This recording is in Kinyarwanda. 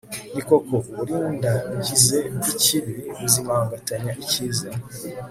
ni koko, uburindagize bw'ikibi buzimangatanya icyiza